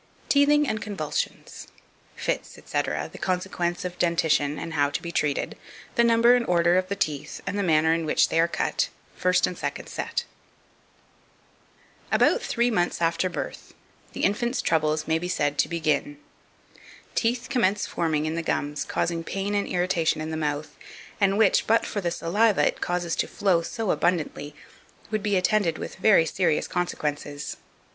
TEETHING AND CONVULSIONS. Fits, &c., the consequence of Dentition, and how to be treated. The number and order of the Teeth, and manner in which they are cut. First and Second Set. 2509. About three months after birth, the infant's troubles may be said to begin; teeth commence forming in the gums, causing pain and irritation in the mouth, and which, but for the saliva it causes to flow so abundantly, would be attended with very serious consequences.